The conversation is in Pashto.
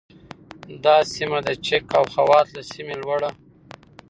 دا سیمه د چک او خوات له سیمې لوړه